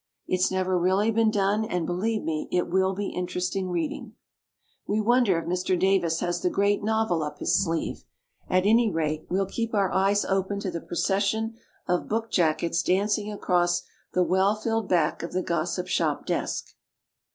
It's never really been done, and, believe me, it will be interesting reading." We wonder if Mr. Davis has the great novel up his sleeve. At any rate, we'll keep our eyes open to the procession of book jackets dancing across the well filled back of the Gos sip Shop desk.